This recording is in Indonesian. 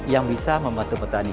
yang bisa membantu petani